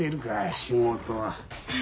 仕事は。